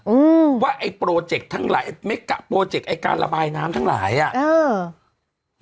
อืมว่าไอโปรเจคทั้งหลายไอโปรเจคไอการระบายน้ำทั้งหลายอ่ะเออ